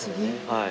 はい。